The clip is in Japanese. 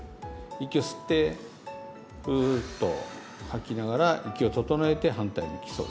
息を吸ってふっと吐きながら息を整えて反対向き。